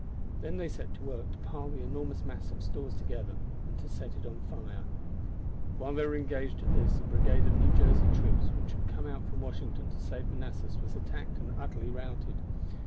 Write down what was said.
Then they set to work to pile the enormous mass of stores together and to set it on fire. While they were engaged at this a brigade of New Jersey troops which had come out from Washington to save Manassas was attacked and utterly routed.